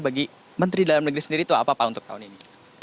bagi menteri dalam negeri sendiri itu apa pak untuk tahun ini